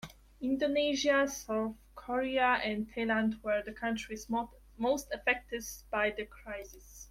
Indonesia, South Korea and Thailand were the countries most affected by the crisis.